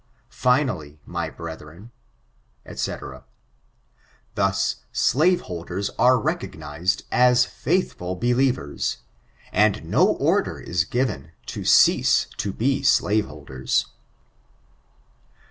Finally, my brethren," Sec Thus slaveholders are recognized as faithful believers; and no order is given to cease to be slaveholders.